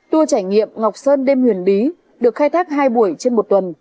tour trải nghiệm ngọc sơn đêm huyền bí được khai thác hai buổi trên một tuần